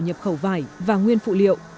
nhập khẩu vải và nguyên phụ liệu